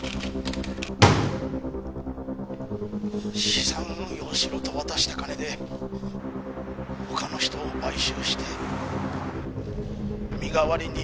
「資産運用しろと渡した金で他の人を買収して身代わりに」